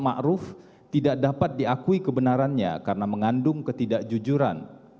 sekuat ma'ruf tidak dapat diakui kebenarannya karena mengandung ketidakjujuran